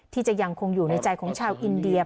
ที่จะยังคงอยู่ในใจของชาวอินเดีย